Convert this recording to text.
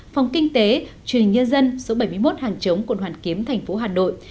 phòng kinh tế truyền hình nhân dân số bảy mươi một hàng chống quận hoàn kiếm tp hà nội